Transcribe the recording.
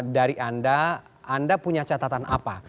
dari anda anda punya catatan apa